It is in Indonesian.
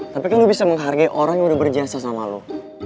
tapi kan lo bisa menghargai orang yang udah berjasa sama lo